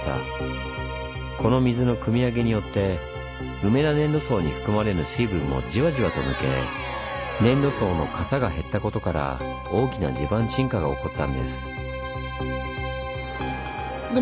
この水のくみ上げによって梅田粘土層に含まれる水分もじわじわと抜け粘土層のかさが減ったことから大きな地盤沈下が起こったんです。